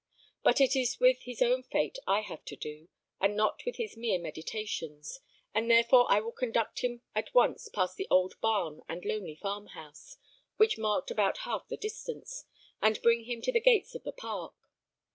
But it is with his own fate I have to do, and not with his mere meditations, and therefore I will conduct him at once past the old barn and lonely farm house, which marked about half the distance, and bring him to the gates of the park.